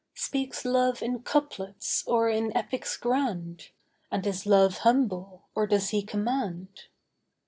Speaks Love in couplets, or in epics grand? And is Love humble, or does he command?